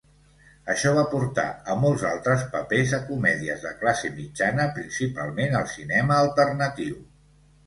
Això va portar a molts altres papers a comèdies "de classe mitjana", principalment al cinema alternatiu.